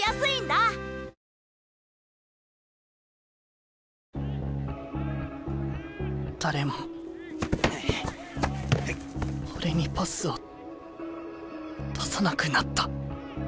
心の声誰も俺にパスを出さなくなった。